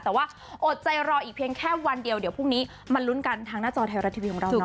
แต่ว่าอดใจรออีกเพียงแค่วันเดียวเดี๋ยวพรุ่งนี้มาลุ้นกันทางหน้าจอไทยรัฐทีวีของเรา